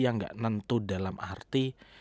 yang gak nentu dalam arti